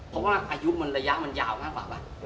เพราะว่าอายุมันระยะมันยาวมากกว่าป่ะ